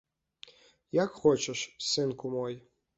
Як хочаш, сынку мой.